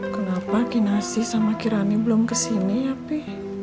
kenapa kinasi sama kirani belum kesini ya fi